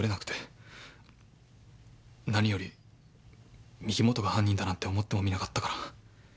何より御木本が犯人だなんて思ってもみなかったから。